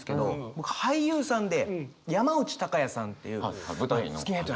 僕俳優さんで山内圭哉さんっていう好きな人。